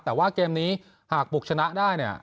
แต่ว่าเกมนี้หากบุกชนะได้เนี่ย